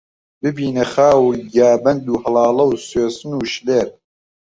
ببینە خاو و گیابەند و هەڵاڵە و سوێسن و شللێر